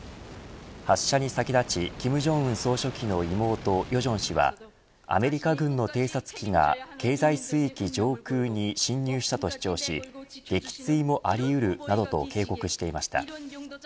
発射に先立ち金正恩総書記の妹、与正氏はアメリカ軍の偵察機が経済水域上空に侵入したと主張し、撃墜もあり得るなどと警告していました。